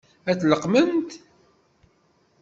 Ad t-leqqment?